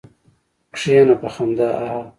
کېنه! په خندا هههه.